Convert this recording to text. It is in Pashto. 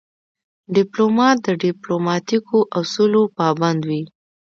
ډيپلومات د ډیپلوماتیکو اصولو پابند وي.